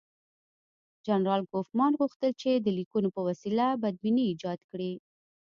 جنرال کوفمان غوښتل چې د لیکونو په وسیله بدبیني ایجاد کړي.